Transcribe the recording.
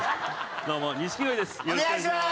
どうも錦鯉です。